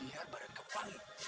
biar badan kamu panggil